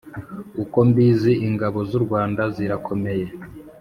uko mbizi, ingabo zurwanda zirakomeye